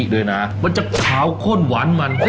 ด้วยนะมันจะขาวข้นหวานมัน